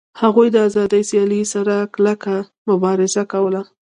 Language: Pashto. هغوی د آزادې سیالۍ سره کلکه مبارزه کوله